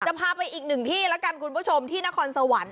พาไปอีกหนึ่งที่แล้วกันคุณผู้ชมที่นครสวรรค์